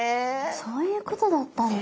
そういうことだったんだ。